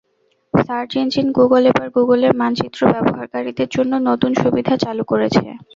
Search engine Google এবার গুগলের মানচিত্র ব্যবহারকারীদের জন্য নতুন সুবিধা চালু করেছে।